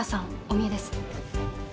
お見えです。